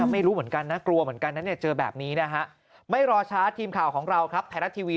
เมื่อรอช้าทีมข่าวของเราครับแพร่หน้าทีวี